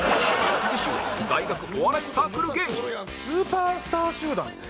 次週は大学お笑いサークル芸人スーパースター集団。